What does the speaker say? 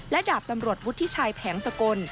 และดาบตำรวจวุฒิชัยแผงสกล